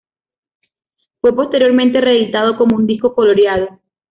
Fue posteriormente reeditado como un disco coloreado.